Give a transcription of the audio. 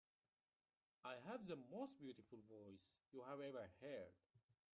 I have the most beautiful voice you have ever heard.